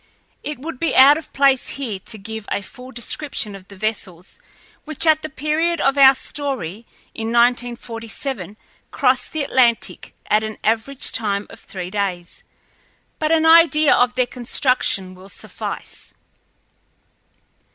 It would be out of place here to give a full description of the vessels which at the period of our story, in 1947, crossed the Atlantic at an average time of three days, but an idea of their construction will suffice.